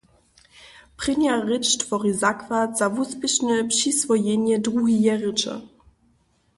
Prěnja rěč twori zakład za wuspěšne přiswojenje druheje rěče.